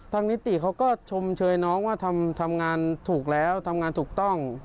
นิติเขาก็ชมเชยน้องว่าทำงานถูกแล้วทำงานถูกต้อง